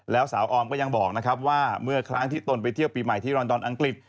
แล้วสาวออมก็ยังบอกนะครับว่าเมื่อครั้งที่ตนไปเที่ยวปีใหม่ที่รอนดอนอังกฤษ